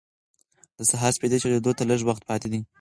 د سهار سپېدې چاودېدو ته لږ وخت پاتې دی.